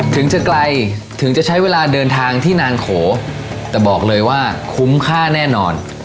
ถึงจะไกลถึงจะใช้เวลาเดินทางที่นางโขแต่บอกเลยว่าคุ้มค่าแน่นอน